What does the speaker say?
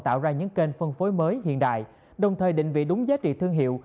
tạo ra những kênh phân phối mới hiện đại đồng thời định vị đúng giá trị thương hiệu